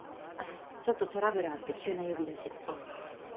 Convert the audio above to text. ちょっとトラブルあって急な呼び出し。